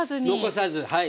残さずはい。